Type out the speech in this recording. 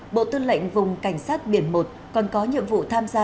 bộ tư lệnh vùng cảnh sát biển một còn có nhiệm vụ tham gia